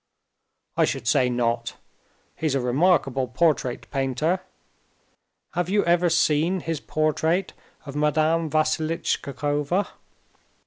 "I should say not. He's a remarkable portrait painter. Have you ever seen his portrait of Madame Vassiltchikova?